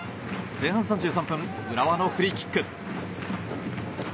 前半３３分浦和のフリーキック。